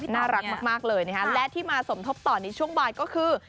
น่ารักมากเลยนะคะและที่มาสมทบต่อในช่วงบ่ายก็คือ